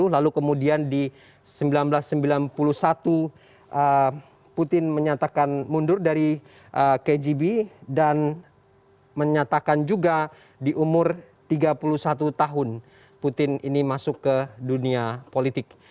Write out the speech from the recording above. lalu kemudian di seribu sembilan ratus sembilan puluh satu putin menyatakan mundur dari kgb dan menyatakan juga di umur tiga puluh satu tahun putin ini masuk ke dunia politik